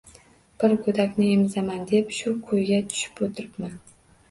Bir go`dakni emizaman deb shu ko`yga tushib o`tiribman